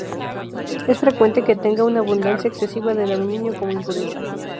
Es frecuente que tenga una abundancia excesiva de aluminio como impureza.